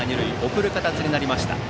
送る形になりました。